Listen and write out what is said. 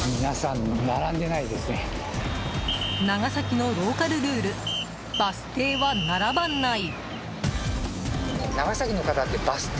長崎のローカルルールバス停は並ばない。